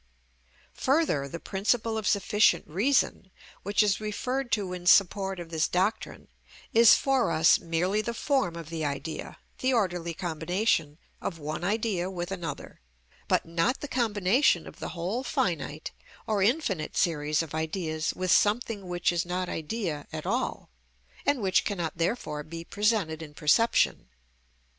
Further, the principle of sufficient reason, which is referred to in support of this doctrine, is for us merely the form of the idea, the orderly combination of one idea with another, but not the combination of the whole finite or infinite series of ideas with something which is not idea at all, and which cannot therefore be presented in perception.